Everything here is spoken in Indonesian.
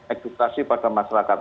edukasi pada masyarakat